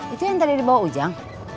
itu yang tadi dibawa ujang